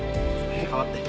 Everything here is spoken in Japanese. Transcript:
代わって。